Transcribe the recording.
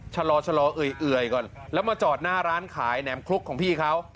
ชะลอเอ่ยก่อนแล้วมาจอดหน้าร้านขายแหนมคลุกของพี่เขา